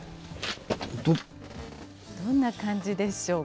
どんな感じでしょうか？